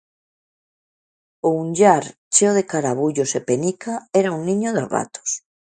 O unllar, cheo de carabullos e penica, era un niño de ratos.